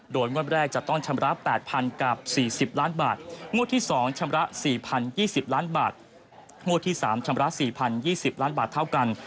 งวดแรกจะต้องชำระ๘๐๐กับ๔๐ล้านบาทงวดที่๒ชำระ๔๐๒๐ล้านบาทงวดที่๓ชำระ๔๐๒๐ล้านบาทเท่ากัน